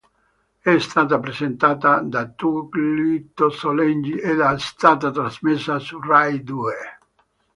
È stata presentata da Tullio Solenghi ed è stata trasmessa su Rai Due.